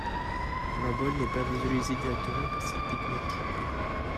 L'embole, n'est pas visualisé directement par cette technique.